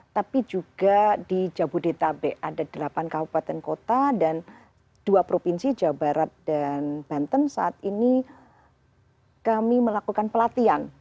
tapi juga di jabodetabek ada delapan kabupaten kota dan dua provinsi jawa barat dan banten saat ini kami melakukan pelatihan